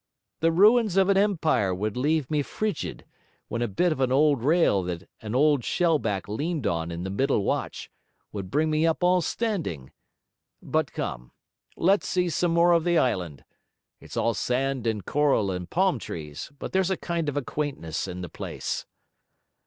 'The ruins of an empire would leave me frigid, when a bit of an old rail that an old shellback leaned on in the middle watch, would bring me up all standing. But come, let's see some more of the island. It's all sand and coral and palm trees; but there's a kind of a quaintness in the place.'